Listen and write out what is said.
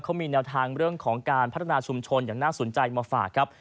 เขามีแนวทางเรื่องของการพัฒนาชุมชนอย่างน่าสนใจมาฝากครับ